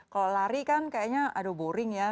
kalau lari kan kayaknya aduh boring ya